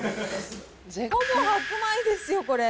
ほぼ白米ですよ、これ。